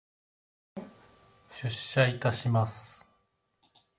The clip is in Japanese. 出社いたします。